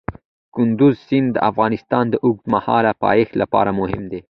کندز سیند د افغانستان د اوږدمهاله پایښت لپاره مهم دی.